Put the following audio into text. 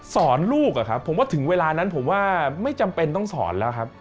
สอนลูกผมว่าถึงเวลานั้นผมว่าไม่จำเป็นต้องสอนแล้ว